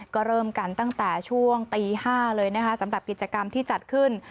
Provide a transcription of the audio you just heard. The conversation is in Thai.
ก็เริ่มกันตั้งแต่ช่วงตี๕เลยนะคะสำหรับกิจกรรมที่จัดขึ้น